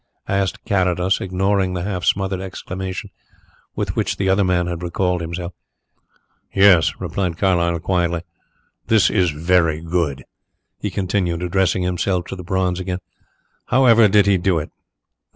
asked Carrados, ignoring the half smothered exclamation with which the other man had recalled himself. "Yes," replied Carlyle quietly. "This is very good," he continued, addressing himself to the bronze again. "How ever did he do it?"